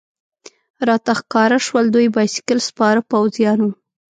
راته ښکاره شول، دوی بایسکل سپاره پوځیان و.